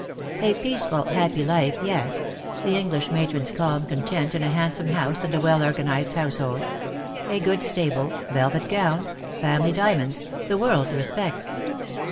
''^ A peaceful happy life, yes — the English matron^s calm content in a handsome house and a well organ ized household — a good stable — velvet gowns — family diamonds — the world^s respect.